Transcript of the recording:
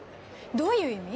どういう意味？